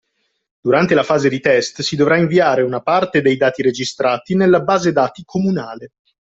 Durante la fase di test, si dovrà inviare una parte dei dati registrati nella base dati comunale